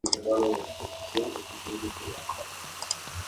Es un sistema muy parecido al anterior.